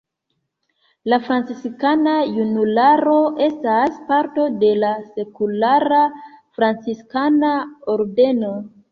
La Franciskana Junularo estas parto de la Sekulara franciskana ordeno.